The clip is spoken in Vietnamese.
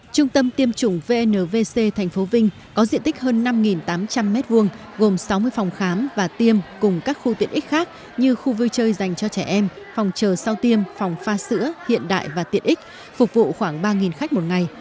trung tâm tiêm chủng vnvc tp vinh có diện tích hơn năm tám trăm linh m hai gồm sáu mươi phòng khám và tiêm cùng các khu tiện ích khác như khu vui chơi dành cho trẻ em phòng chờ sau tiêm phòng pha sữa hiện đại và tiện ích phục vụ khoảng ba khách một ngày